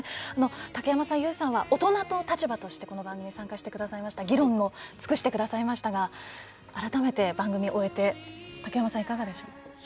竹山さん、ＹＯＵさんは大人として、この立場でこの番組、参加して議論を尽くしてくださいましたが改めて番組終えて竹山さん、いかがでしょう？